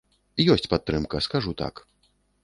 Ёсць падтрымка, скажу так.